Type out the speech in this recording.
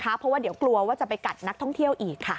เพราะว่าเดี๋ยวกลัวว่าจะไปกัดนักท่องเที่ยวอีกค่ะ